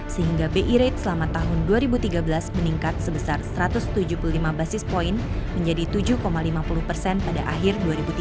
sehingga bi rate selama tahun dua ribu tiga belas meningkat sebesar satu ratus tujuh puluh lima basis point menjadi tujuh lima puluh persen pada akhir dua ribu tiga belas